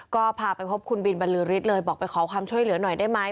ก็พาไปพบคุณบินบรรลือฤทธิ์เลยบอกไปขอความช่วยเหลือหน่อยได้ไหม